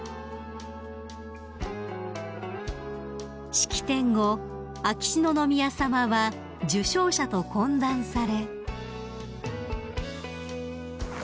［式典後秋篠宮さまは受賞者と懇談され］